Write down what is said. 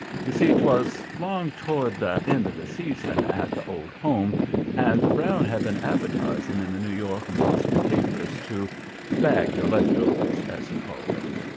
You see, 'twas 'long toward the end of the season at the Old Home, and Brown had been advertising in the New York and Boston papers to "bag the leftovers," as he called it.